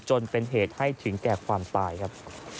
จนเป็นเหตุให้ถึงแก่ความตายครับ